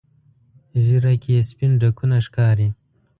ږیره کې یې سپین ډکونه ښکاري.